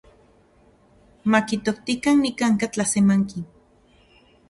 Makitoktikan nikanka’ tlasemanki.